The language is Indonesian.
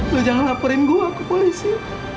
loh jangan laporin gue ke polisi